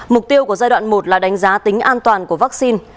mục tiêu của giai đoạn một là đánh giá tính an toàn của vaccine